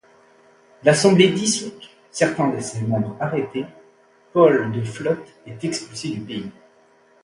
L'assemblée dissoute, certains de ses membres arrêtés, Paul de Flotte est expulsé du pays.